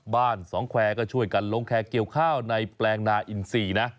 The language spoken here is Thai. สองแควร์ก็ช่วยกันลงแคร์เกี่ยวข้าวในแปลงนาอินซีนะ